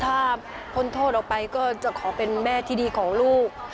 ถ้าพ้นโทษออกไปก็จะขอเป็นแม่ที่ดีของลูก